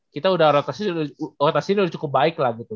kita udah rotasi ini udah cukup baik lah gitu